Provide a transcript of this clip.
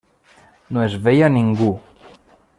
No es veia ningú.